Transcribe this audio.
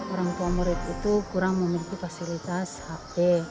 orang tua murid itu kurang memiliki fasilitas hp